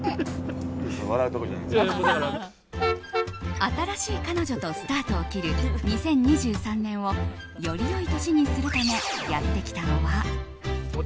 新しい彼女とスタートを切る２０２３年をより良い年にするためやってきたのは。